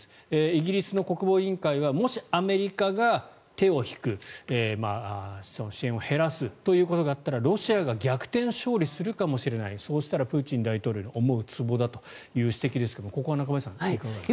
イギリスの国防委員会はもしアメリカが手を引く支援を減らすということがあったらロシアが逆転勝利するかもしれないそしたらプーチン大統領の思うつぼだという指摘ですがここは中林さん、いかがですか。